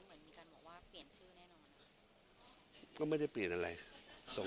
เมื่อวันนี้เหมือนมีการบอกว่าเปลี่ยนชื่อแน่นอน